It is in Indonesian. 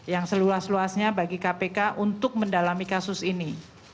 yang seluas luasnya bagi kpk untuk mendalami kasus ini